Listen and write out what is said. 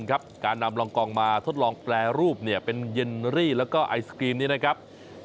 ค่ะการนำครับ